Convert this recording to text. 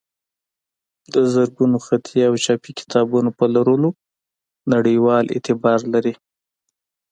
د زرګونو خطي او چاپي کتابونو په لرلو نړیوال اعتبار لري.